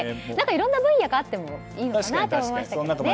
いろいろな分野があってもいいのかなと思いましたけどね。